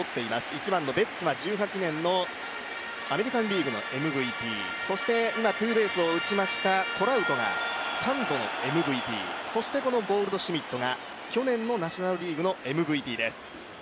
１番のベッツは２０１８年のア・リーグのＭＶＰ、そして今ツーベースを打ちましたトラウトが３度のＭＶＰこのゴールドシュミットが去年のナショナル・リーグのＭＶＰです。